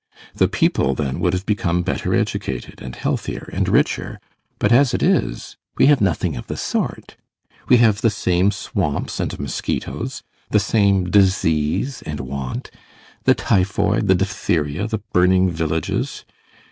The people then would have become better educated and healthier and richer, but as it is, we have nothing of the sort. We have the same swamps and mosquitoes; the same disease and want; the typhoid, the diphtheria, the burning villages.